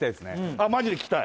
あっマジで聞きたい